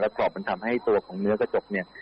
กรอบมันทำให้ตัวของเนื้อกระจกเนี่ย